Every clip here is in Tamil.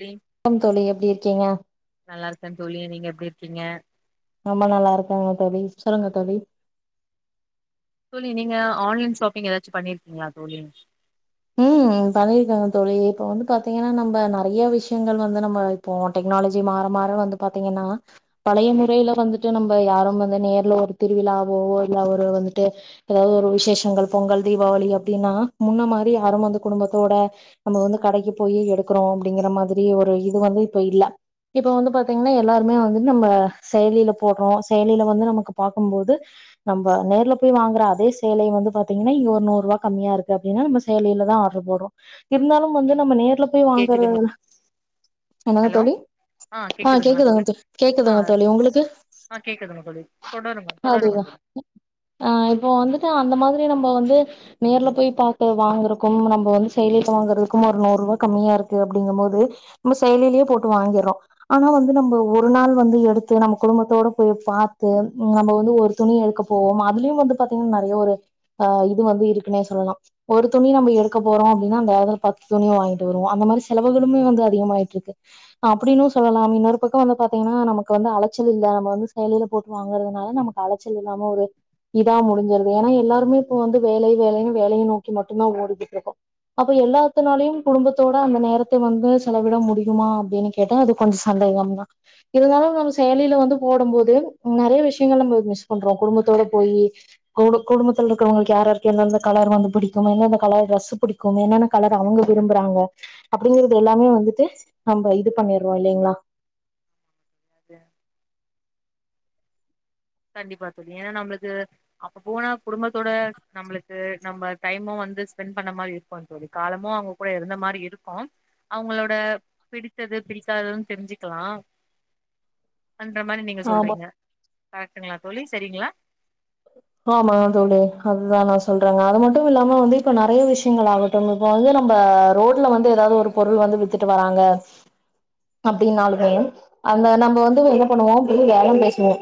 தோழி க்கம் தோழி எப்டி இருக்கீங்க நல்லா இருக்கே தோழி நீங்க எப்டி இருக்கீங்க ரொம்ப நல்லா இருக்கோங்க தோழி சொல்லுங்க தோழி தோழி நீங்க ஆன்லைன் ஷாப்பிங் ஏதாச்சு பண்ணிருக்கீங்களா தோழி ம் பண்ணிருக்கேங்க தோழி இப்ப வந்து பாத்தீங்கன்னா நம்ம நறைய விஷயங்கள் வந்து நம்ம இப்போ டெக்னாலஜி மாற மாற வந்து பாத்தீங்கன்னா பழைய முறைல வந்துட்டு நம்ம யாரும் வந்து நேர்ல ஒரு திருவிழாவோ ஊர்ல‌ ஒரு வந்துட்டு ஏதாது ஒரு விசேஷங்கள் பொங்கல் தீபாவளி அப்டின்னா முன்ன மாரி யாரும் வந்து குடும்பத்தோட நம்ம வந்து கடைக்கு போயி எடுக்குறோ அப்டிங்கற மாரி ஒரு இது வந்து இப்ப இல்ல இப்ப வந்து பாத்தீங்கன்னா எல்லாருமே வந்து நம்ம செயலில போடுறோ செயலில வந்து நமக்கு பாக்கும் போது நம்ம நேர்ல போய் வாங்கற அதே சேலய வந்து பாத்தீங்கன்னா இங்க ஒரு நூரூவா கம்மியா இருக்கு அப்டின்னா நம்ம ச செயலில தா ஆர்டரு போடுறோ இருந்தாலும் வந்து நம்ம நேர்ல போய் வாங்கற கேக்குதுங்க என்னங்க ஹலோ தோழி ஆ கேக்குதுங்களா கேக்குதுங்க தோழி தோ ஆ கேக்குதுங்க தோழி உங்களுக்கு ஆ கேக்குதுங்க தோழி தொடருங்க அது தொடருங்க தோழி ஆ இப்போ வந்துட்டு அந்த மாரி நம்ம வந்து நேர்ல போயி பாக்க வாங்குறக்கும் நம்ம வந்து செயலில வாங்குறதுக்கும் ஒரு நூரூபா கம்மியா இருக்கு அப்டிங்கும் போது நம்ம செயலிலேயே போட்டு வாங்கிர்றோ ஆனா வந்து நம்ம ஒரு நாள் வந்து எடுத்து நம்ம குடும்பத்தோட போய் பாத்து நம்ம வந்து ஒரு துணி எடுக்க போவோமா அதுலயு வந்து பாத்தீங்கன்னா நறைய ஒரு ஆ இது வந்து இருக்குன்னே சொல்லலா ஒரு துணி நம்ம எடுக்க போறோ அப்டின்னா அந்த எடத்துல பத்து துணி வாங்கிட்டு வருவோ அந்த மாரி செலவுகளுமே வந்து அதிகமாயிட்டு இருக்கு அப்புடின்னு சொல்லலா இன்னொரு பக்கம் வந்து பாத்தீங்கன்னா நமக்கு வந்து அலச்சல் இல்ல நம்ம வந்து செயலில போட்டு வாங்கறதுனால நமக்கு அலச்சல் இல்லாம ஒரு இதா முடீன்சுறது ஏன்னா எல்லாருமே இப்ப வந்து வேலை வேலைன்னு வேலய நோ க்கு மட்டுதா ஓடிகிட்ருக்கு அப்ப எல்லாத்துனாலயும் குடும்பத்தோட அந்த நேரத்த வந்து செலவிட முடியுமா அப்டின்னு கே கேட்டா அது கொஞ் சந்தேகம் தா இருந்தாலும் நம்ம செயலில வந்து போடும் போது நறைய விஷயங்கள் நம்ம மிஸ் பண்றோம குடும்பத்தோட போயி கூட குடும்பத்துல இருக்கிறவங்களுக்கு யாராருக்கு எந்தந்த கலர் வந்து பிடி நம்ம என்னென்ன கலர் டிரெஸ்சு புடிக்கு என்னென்ன கலர் அவங்க விரும்புறாங்க அப்டிங்கறது எல்லாமே வந்துட்டு நம்ம இது பண்ணிட்ரோ இல்லைங்களா அதே கண்டிப்பா தோழி ஏன்னா நம்ளுக்கு அப்ப போனா குடும்பத்தோட நம்மளுக்கு நம்ம டைமும் வந்து ஸ்பெண்ட் பண்ண மாரி இரு க்கு தோழி காலமும் அவங்க கூட இருந்த மாரி இருக்கு அவங்களோட பிடித்தது பிடிக்காததுன்னு தெரிஞ்சுக்கலாம் பன்ற மாரி நீங்க ஆமா சொல்றீங்க கரெக்டுங்களா தோழி சரிங்களா ஆமா தோழி அதுதா நா சொல்றேங்க அது மட்டு இல்லாம வந்து இப்ப நறைய விஷயங்கள் ஆக இப்போ வந்து நம்ம ரோடுல வந்து ஏதாவது ஒரு பொருள் வந்து வித்துட்டு வராங்க அப்டின்னாலுமே அந்த நம்ம வந்து என்ன பண்ணுவோ வெளிய பேரம் பேசுவோ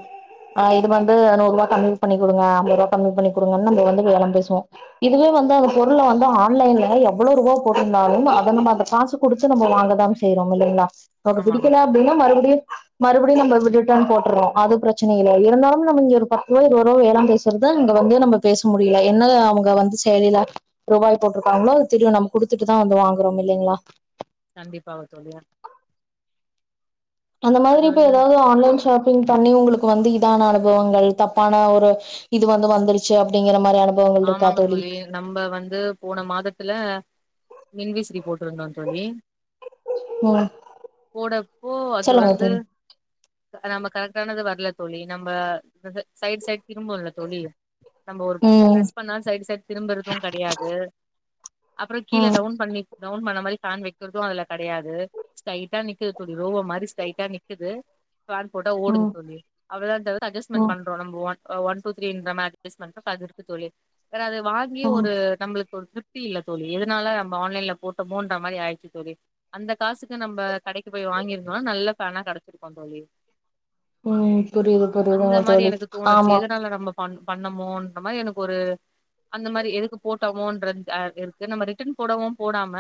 ஆ இது வந்து ஏறனூறுவா கம்மி பண்ணி குடுங்க அம்பரூபா கம்மி பண்ணி குடுங்கன்னு நம்ம வந்து பேரம் பேசுவோ இதுவே வந்து அந்த பொருள வந்து ஆன்லைன்ல எவ்ளோ ரூபா போட்ருந்தாலும் அத நம்ம அந்த காசு குடுத்து நம்ம வாங்கதாம் செய்றோ இல்லிங்ளா நமக்கு ஆமாங்க பிடிக்கல தோழி அப்டின்னா மறுபடியு மறுபடியு நம்ம ரிட்டன் போட்டுறோ அது பிரச்சன இல்ல இருந்தாலு நம்ம இங்க ஒரு பத்து ரூவா இருவரூவா அப்போ பேரம் பேசுறத இங்க வந்து நம்ம பேச முடியல என்ன அவுங்க வந்து செயலில ரூபாய் போட்ருக்காங்களோ அது தெரியு நம்ம குடுத்துட்டுதா வந்து வாங்குறோ இல்லிங்ளா கண்டிப்பாவத் தோழி அந்த அது மாதிரி வந்து இப்ப எதாவது ஒரு ஆன்லைன் ஷாப் திங் பண்ணி உங்களுக்கு வந்து இதான அனுபவங்கள் தப்பான ஒரு இது வந்து வந்துருச்சு அப்டிங்கிற மாரி அனுப் ஆமாங்க தோழி நம்ம வந்து போன மாதத்துல மின் விசிறி போட்ருந்தோ தோழி ம் போடப்போ அது சொல்லுங்க வந்து தோழி நம்ம கரெட்டானது வரல தோழி நம்ப சைய்டு சைய்டு திரும்புல்ல தோழி நம்ம ஒரு ம் ப்ரஸ் பண்ணா சைடு சைடு திரும்பறதும் கெடையாது அப்றோ கீழ ம் டவுன் பண்ணி டவுன் பண்ண மாரி ஃபேன் வைக்குறது அதுல கெடையாது ஸ்ட்ரைடா நிக்குது தோழி ரோபோ மாரி ஸ்ட்ரைட்டா நிக்குதது ஃபேன் போட்டா ஓடுது ம் தோழி அவ்ளோதா தவர ம் அஜெஸ்பண்றோ நம்ப ஒன் ஒன் டூ த்ரீன்ற மேட் அஜெஸ்மென்ட்டு பாதி தோழி வேற அது வாங்கி ம் ஒரு நம்மளுக் ஒரு திருப் தி இல்ல தோழி எதுனால நம்ம ஆன்லைன்ல போட்டமோன்ற மாரி ஆயிடுச்சி தோழி அந்த காசுக்கு நம்ம கடைக்கு போய் வாங்கி இருந்தோ நல்ல ஃபேனா கெடச்சுருக்கு தோழி ம் புரியுது அந்த புரியுதுங்க மாரி தோழி எனக்கு தோணுச்சு ஆமா எதுனால நம்ம பண் பண்ணமோன்ற மாரி எனக் ஒரு அந்த மாரி எதுக்கு போட்ட மோன்றது த ஆ இருக்கு நம்ம ரிட்டன் போடவு போடாம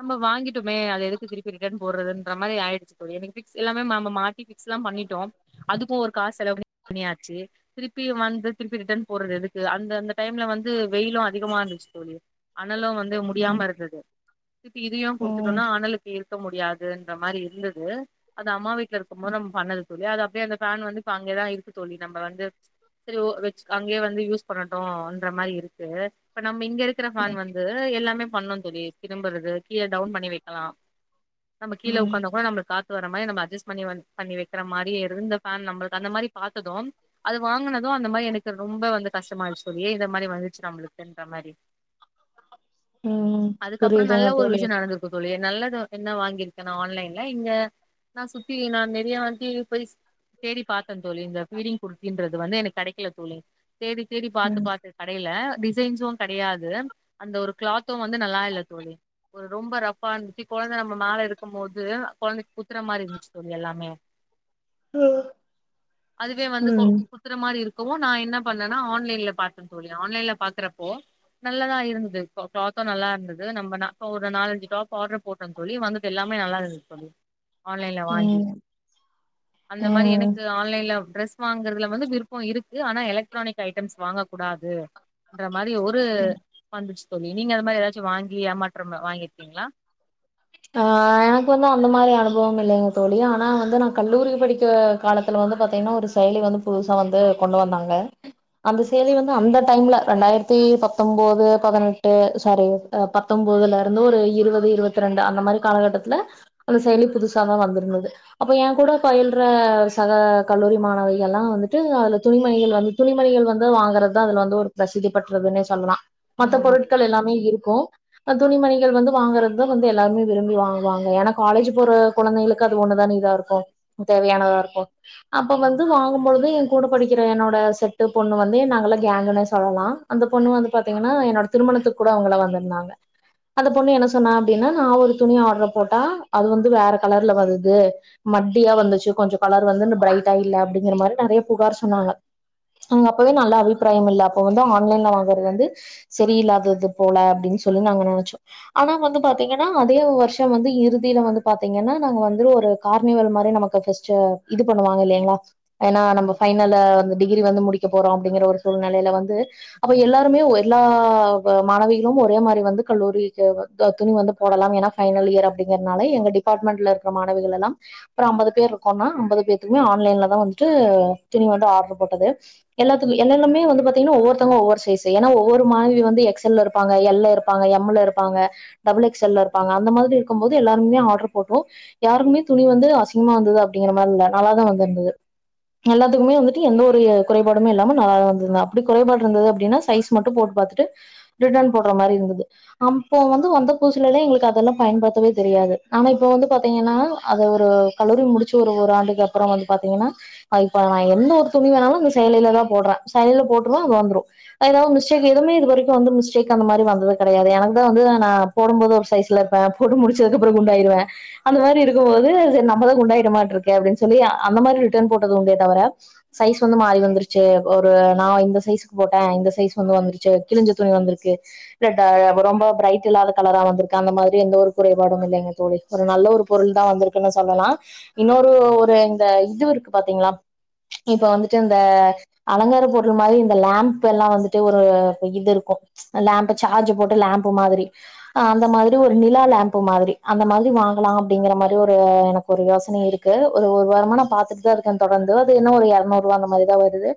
நம்ம வாங்கிட்டுமே அது எதுக்கு திருப்பி ரிட்டன் போறதுன்ற மாரி ஆயிடுச்சு தோழி எனக் பீக்ஸ் எல்லாமே நம் நம்ம மாத் தி ஃபிக்ஸ் லா பண்ணிட்டோ அதுக்கு ஒரு காசு செலவு பண்ணியாச்சு திருப்பி வந்து திருப்பி ரிட்டன் போடுறது எதுக் அந்த அந்த டைம்ல வந்து வெயிலு அதிகமா இருந்துச்சு தோழி அனலு வந்து முடியாம இருந்தது திருப்பி இதயு ம் குடுத்துடோனா அனலுக்கு இருக்க முடியாதுன்ற மாரி இருந்தது அது அம்மா வீட்ல இருக்கும்போது நம்ம பண்ணது தோழி அது அப்டியே அந்த ஃபேன் வந்து இப்ப அங்கதா இருக்கு தோழி நம்ம வந்து சரி ஓ வச் அங்கேயே வந்து யூஸ் பண்ணட்டு அந்த மாரி இருக்கு இப்ப நம்ம இங்க இருக்கிற ஃபேன் ம் வந்து க எல்லாமே பண்ணுந் தோழி திரும்பறது கீழ டவுன் பண்ணி வைக்கலா நம்ம கீழ ம் உக்காந்து உக்காந்து கூட நம்மலுக் காத் வர மாரி நம்ம அஜெஸ் பண்ணி வந் பண்ணி வைக்கிற மாரி இருந்த நம்மளுக்கு அந்த மாரி பாத்ததும் அது வாங்குனது அந்த மாரி எனக்கு ரொம்ப வந்து கஷ்டமா ஆய்ருச்சு தோழி ஏ இந்த மாரி வந்துச்சு நம்மளுக்குன்ற மாரி ம் அதுக்கப்றோ நல்ல புரியுதுங்க ஒரு தோழி விஷியோ நடந்து தோழி நல்லத என்ன வாங்கிருக்கேனா ஆன்லைன்ல இங்க நா சுத்தி நா நெறைய வாட்டி பொய்ஸ் தேடி பாத்தே தோழி இந்த பீடிங் குர்த்தின்றது வந்து எனக் கெடக்கில தோழி தேடி தேடி பாத்து ம் பாத்து கடேல டிசைன்ஸும் கெடயாது அந்த ஒரு கிளாத் த்து வந்து நல்லா இல்ல தோழி ஒரு ரொம்ப ரஃப்பா இருந்துச்சு கொழந்தை நம்ம மேல இருக்கும் போது கொழந்தைக்கு குத்துற மாரி இருந்துச்சு தோழி எல்லாமே அதுவே வந்து கோ ம் குத்துற மாரி இருக்கவு நா என்ன பண்ணனா ஆன்லைன்ல பாத்தே தோழி ஆன்லைன்ல பாக்குறப்போ நல்லதா இருந்தது கிளாத்தும் நல்லா இருந்தது நம்ப நா ஒரு நாலஞ்சு டாப் ஆடரு போட் டோ தோழி வந்தது எல்லாமே நல்லா இருந்துது தோழி ஆன்லைன்ல வாங்கி ம் அந்த மாரி ம் எனக்கு ஆன் ஆன்லைன்ல டிரெஸ் வாங்கறதுல வந்து விருப்போ இருக்கு ஆனா எலக் ட்ரானிக் ஐட்டம்ஸ் வாங்க கூடாது இன்ற மாரி ஒரு வந்துடுச்சு தோழி நீங்க அந்த மாரி ஏதாச்சு வாங்கி ஏமாற்றம் வாங்கிருப்பீங்களா ஆ எனக்கு வந்து அந்த மாரி அனுபவம் இல்லீங்க தோழி ஆனா வந்து நா கல்லூரி படிக்க காலத்துல வந்து பாத்தீங்கன்னா ஒரு ஸ் செயலி வந்து புதுசா வந்து கொண்டு வந்தாங்க அந்த செயலி வந்து அந்த டைம்ல ரெண்டாயிரத்தி பத்தொம்போது பதினெட்டு சாரி பத்தொம்போதுல இருந்து ஒரு இருவது இருவத் ரெண்டு அந்த மாரி காலகட்டத்துல அந்த செயலி புதுசா தா வந்துருந்தது அப்ப எங் கூட பயில்ற சக கல்லூரி மாணவிகள்லா வந்துட்டு அதுல துணிமணிகள் வந்து துணிமணிகள் வந்து வாங்குறது தா அதுல வந்து ஒரு பிரசித்தி பெற்றதுன்னே சொல்லா மத்த ஆமாங்க தோழி பொருட்கள் எல்லாமே இருக்கு துணிமணிகள் வந்து வாங்கறது வந்து எல்லாருமே விரும்பி வாங்குவாங்க ஏனா காலேஜ் போற கொழந்தைகளுக்கு அது ஒண்ணுதான இதா இருக்கு தேவையானதா இருக்கு அப்ப வந்து ஆமாங்க வாங்கும்பொழுது கூட படிக்கிற என்னோட செட்டு பொண்ணு வந்து நாங்கலா கேங்குனே சொல்லலா அந்த பொண்ணு வந்து பாத்தீங்கனா என்னோட திருமணத்து கூட அவுங்களா வந்திருந்தாங்க அந்த பொண்ணு என்ன சொன்னா அப்டினா நா ஒரு துணி ஆர்டர் போட்டா அது வந்து வேற கலர்ல வருது மட்டியா வந்துச்சு கொஞ்ச கலர் வந்து பிரைட்டா இல்ல அப்டிங்கிற மாரி நெறய புகார் சொன்னாங்க அங்க அப்பவே நல்லா அபிப்பிராயம் இல்ல அப்ப வந்து ஆன்லைன்ல வாங்கறது வந்து சரியில்லாதது போல அப்டின்னு சொல்லி நாங்க நெனச்சோ ஆனா வந்து பாத்த பாத்தீங்கனா அதே வருஷ வந்து இறுதியில வந்து பாத்தீங்கனா நாங்க வந்து ஒரு கார்னிவல் மாரி நமக்கு ஃபர்ஸ்ட்டு இது பண்ணுவாங்க இல்லைங்களா ஏனா நம்ம ஆமாங்க தோழி ஃபைனல்ல வந்து டிகிரி வந்து முடிக்க போறோ அப்டிங்கிற ஒரு சூழ்நிலையில வந்து அப்ப எல்லாருமே எல்லா மாணவிகளும் ஒரே மாரி வந்து கல்லூரிகு துணி வந்து போடலாம் ஏனா ஃபைனல் இயர் அப்டிங்கிறதுனால எங்க டிபார்ட்மெண்ட்ல இருக்க மாணவிகள் எல்லா அப்றம் அம்பது பேர் இருக்கோனா அம்பது பேதுக்குமே ஆன்லைன்ல தா வந்துட்டு துணி வந்து ஆர்டரு போட்டது எல்லாதுக்கும் எல்லாமே வந்து பாத்தீங்கனா ஒவ்வொருதவங்க ஒவ்வொரு சைஸ் ஏனா ஒவ்வொரு மாணவி வந்து எக்ஸ்ல்ல இருப்பாங்க எல்ல இருப்பாங்க இருப்பாங்க எம்ல இருப்பாங்க டபுள் எக்ஸ் எல் இருப்பாங்க அந்த மாரி இருக்கும் போது எல்லாருமே ஆர்டர் போட்டோ யாருக்குமே துணி வந்து அசிங்கமா வந்தது அப்டிங்கிற மாரி இல்ல நல்லா தா வந்திருந்தது எல்லாத்துகுமே வந்துட்டு எந்த ஒரு குறைபாடுமே இல்லாம நல்லா தா வந்தது அப்டி குறைபாடு இருந்தது அப்டினா சைஸ் மட்டு போட்டு பாத்துட்டு ரிட்டன் போட்ற மாரி இருந்தது அம் போ வந்து வந்த பூசிலலா எங்களுக்கு அதெல்லா பயன்படுத்தவே தெரியாது ஆனா இப்ப வந்து பாத்தீங்கனா அது ஒரு கல்லூரி முடிச்சு ஒரு ஒரு ஆண்டுக்கு அப்றம் வந்து பாத்தீங்கனா அ இப்ப நா எந்த ஒரு துணி வேணாலு அந்த செயலில தா போட்ற செயலில போட்டுது அது வந்துரு எதாது மிஸ்டேக் எதுவுமே இது வரைக்கு வந்து மிஸ்டேக் அந்த மாரி வந்தது கெடயாது எனக்கு தா வந்து நா போடும் போது ஒரு சைஸ்ல இருப்ப போட்டு முடிச்சது அப்ற குண்டாயிடுவ அந்த மாரி இருக்கும்போது செரி நம்மதா குண்டாயிட்ட மாட்ருக்கு இருக்கு அப்டி சொல்லி அந்த மாரி ரிட்டர்ன் போட்டது உண்டே தவர சைஸ் வந்து மாரி வந்துருச்சு ஒரு நா இந்த சைஸ்க்கு போட்ட இந்த சைஸ் வந்து வந்துருச்சு கிழிஞ்ச துணி வந்துருக்கு பிரட்டா ரொம்ப பிரைட் இல்லாத கலரா வந்திருக்கு அந்த மாரி எந்த ஒரு குறைபாடும் இல்லைங்க தோழி ஒரு நல்ல ஒரு பொருள் தா வந்துருக்குனு சொல்லலா இன்னொரு ஒரு இந்த இது இருக்கு பாத்தீங்களா இப்ப வந்துட்டு இந்த அலங்கார பொருள் மாரி இந்த லாம்ப் எல்லா வந்துட்டு ஒரு இது இருக்கு லாம்ப் சார்ஜ் போட்டு லாம்பு மாதிரி அந்த மாதிரி ஒரு நிலா லாம்ப் மாதிரி அந்த மாதிரி வாங்கலா அப்டிங்கற மாரி ஒரு எனக்கு ஒரு யோசனை இருக்கு கு ஒரு ஒரு வாரமா நா பாத்துட்டு தா இருக்கே தொடந்து அது என்ன ஒரு எரநூறுவா அந்த மாரிதா வருது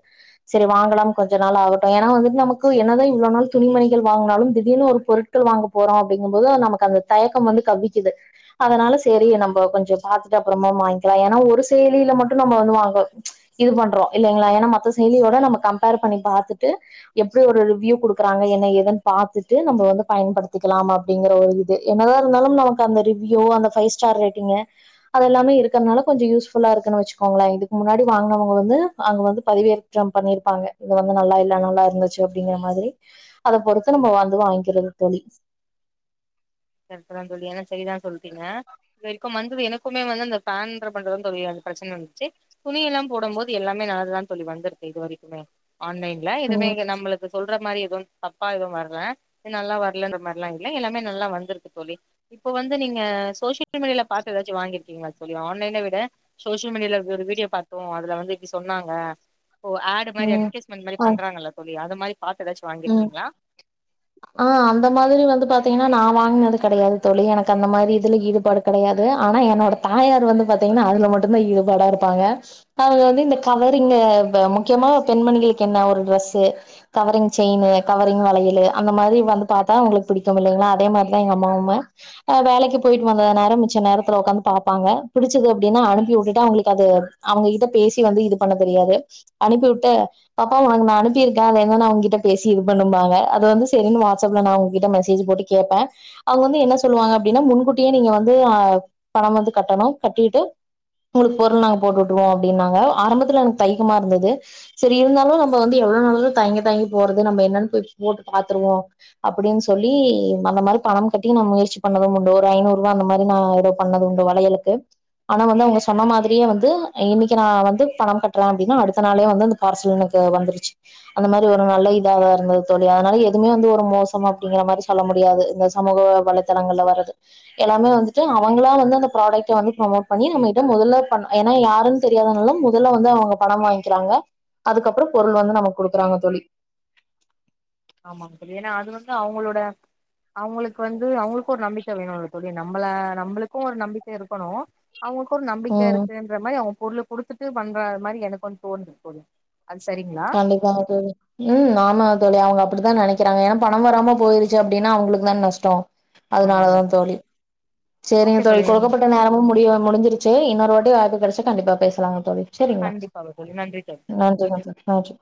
செரி வாங்கலாம் கொஞ்ச நாள் ஆகட்டு ஏனா வந்துட்டு நமக்கு என்னதா இவ்ளவு நாள் துணி மணிகள் வாங்கனாலு திடீர்னு ஒரு பொருட்கள் வாங்க போறோ அப்டிங்கம்போது நமக்கு அந்த தயக்கம் வந்து கவ்விக்குது அதனால செரி நம்ம கொஞ்சோ பாத்துட்டு அப்றமா வாங்கிலா ஏனா ஒரு செயலில மட்டு நம்ம வந்து வாங்கோ இது பண்றோ இல்லைங்களா ஏனா மத்த செயலியோட நம்ம கம்பர் பண்ணி பாத்துட்டு எப்டி ஒரு ரிவ்யூ குடுக்குறாங்க என்ன ஏதுனு பாத்துட்டு நம்ம வந்து பயன்படுத் திகலாம் அப்டிங்கற ஒரு இது என்னதா இருந்தாலும் நமக்கு அந்த ரிவ்யு அந்த பைவ் ஸ்டார் ரேட்டிங்கு அதெல்லாமே இருகிறதுனால கொஞ்ச யூஸ்ஃபுல்லா இருக்குனு வச்சுகோங்களே இதுக்கு முன்னாடி வாங்கினவங்க வந்து அங்க வந்து பதிவே ற்றம் பண்ணிருப்பாங்க இது வந்து நல்லா இல்ல நல்லா இருந்துச்சு அப்டிங்கிற மாதிரி அத பொறுத்து நம்ம வந்து வாங்கிக்கிறது தோழி கரக்டு தா தோழி ஆனா சரிதா சொல்ட்டீங்க இது வரைக்கும் வந்தது எனக்குமே வந்து அந்த பேன்ற பண்றது வந்து ஒரு பிரச்சனை வந்துச்சு துணிலாம் போடும் போது எல்லாமே நல்லதா தோழி வந்திருக்கு இது வரைக்குமே ஆன்லைன்ல எதுமே ம் நம்மளுக் இப்ப சொல்ற மாரி எதவு தப்பா எதுவு வரல நல்லா வரலன்ற மாரிலா இல்ல எல்லாமே நல்லா வந்து க்கு தோழி இப்ப வந்து நீங்க சோசியல் மீடியாவில பாத்து ஏதாச்சு வாங்கிருக்கீங்களா தோழி ஆன்லைன்ல விட சோசியல் மீடியல ஒரு வீடியோ பாத்தோ அதுல வந்து இப்டி சொன்னாங்க ஓ ஆ ட் மாரி ம் அட்வடைஸ்மெண்ட் மாரி ஆ பன்றாங்களல்ல தோழி அத மாரி பாத்து ஏதாச்சு ம் வாங்கிருக்கீங்களா ஆ அந்த மாரி வந்து பாத்தீங்கன்னா நா வாங்கினது கெடையாது தோழி எனக்கு அந்த மாரி இதுல ஈடுபாடு கெடையாது ஆனா என்னோட தாயார் வந்து பாத்தீங்கன்னா அதுல மட்டு தா ஈடுபாடா இருப்பாங்க அதுல வந்து இந்த கவரிங் முக்கியமா பெண்மணிகளுக்கு என்ன ஒரு ட்ரெஸ்சு கவரிங் செயினு கவரிங் வளையலு அந்த மாரி வந்து பாத்தா உங்களுக்கு பிடிக்கு இல்லைங்களா அதே மாரிதா எங்க அம்மாவுமும் அ வேலைக்கு போயிட்டு வந்த நேரம் மிச்ச நேரத்துல உக்காந்து பாப்பாங்க பிடிச்சது அப்டின்னா அனுப்பி வுட்டுட்டு அவங்களுக்கு அது அவங்ககிட்ட பேசி வந்து இது பண்ணத் தெரியாது அனுப்பி விட்டு பாப்பா உனக்கு நா அனுப்பியிருக்கே அத என்னன்னு அவங்ககிட்ட பேசி இது பண்ணும்பாங்க அது வந்து சேரின்னு வாட்ஸ்ப்புல நா அவங்ககிட்ட மெசேஜ் போட்டு கேப்பே அவங்க வந்து என்ன சொல்லுவாங்க அப்டின்னா முன்கூட்டியே நீங்க வந்து ஆ பணம் வந்து கட்டணு கட்டிட்டு உங்களுக்கு பொருள் நாங்க போட்டு வுட்டுவோ அப்டின்னாங்க ஆரம்பத்துல எனக்கு தையக்கமா இருந்தது சேரி இருந்தாலு நம்ம வந்து எவ்ளவு நாளாலுதா தயங்கி தயங்கி போறது நம்ம என்னன்னு போய் போட்டு பாத்துருவோ அப்டின்னு சொல்லி அந்த மாரி பணம் கட்டி நா முயற்சி பண்ணது மூண்ணுரு ஐநூறு ரூபா அந்த மாரி நானூரு பண்ணது உண்டு வளையலுக்கு ஆனா வந்து அவங்க சொன்ன மாரியே வந்து இன்னைக்கி நா வந்து பணம் கட்டுறே அப்டின்னா அடுத்த நாளே வந்து பார்சல் எனக்கு வந்துருச்சு அந்த மாரி நல்ல இதாக இருந்தது தோழி அதனால எதுவுமே வந்து ஒரு மோசம் அப்டிங்கிற மாரி சொல்ல முடியாது இந்த சமூக வளத் தலங்கள்ல வர்றது எல்லாமே வந்துட்டு அவங்களா வந்து அந்த ப்ராடெக்ட்ட வந்து ப்ரேமோட் பண்ணி நம்மிட்ட முதல்ல பண்ண ஏன்னா யாருனு தெரியாதனால முதல்ல வந்து அவங்க பணம் வாங்கிக்கிறாங்க அதுக்கப்புறம் பொருள் வந்து நமக்கு குடுக்குறாங்க தோழி ஆமாம் தோழி ஏன்னா அது வந்து அவங்களோட அவங்களுக்கு வந்து அவங்களுக்கு ஒரு நம்பிக்கை வேணும்ல்ல தோழி நம்மள நம்மளுக்கு ஒரு நம்பிக்கை இருக்கணு அவங்களுக்கு ஒரு நம்பிக்க ம் இருக்குதுனு மாரி அவங்க பொருளை குடுத்துட்டு பண்றா மாரி எனக்கு ஒன்னு தோணுது தோழி அது சரிங்களா கண்டிப்பாங் தோழி ம் ஆமா தோழி அவங்க அப்டித்தா நெனைக்கிறாங்க ஏன்னா பணம் வராம போயிருச்சு அப்டின்னா அவங்களுக்கு தானே நஷ்டே அதுனால தான் தோழி சேரிங்க தோழி கொடுக்கப்பட்ட நேரமு முடிய முடிஞ்சிருச் சு இன்னொரு வாட்டி வாய்ப்பு கெடைச்சா கண்டிப்பா பேசலாங்க தோழி சேரிங்களா கண்டிப்பாக தோழி நன்றி தோழி நன்றிக தோழி னாச்சு